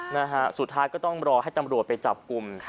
นะฮะสุดท้ายก็ต้องรอให้ตำรวจไปจับกลุ่ม